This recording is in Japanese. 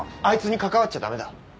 あいつに関わっちゃ駄目だ！